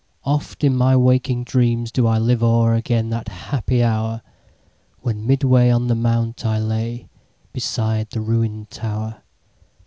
Oft in my waking dreams do ILive o'er again that happy hour, When midway on the mount I lay, Beside the ruin'd tower.